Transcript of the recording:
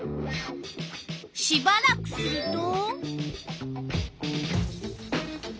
しばらくすると。